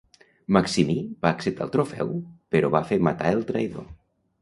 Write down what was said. Maximí va acceptar el trofeu però va fer matar el traïdor.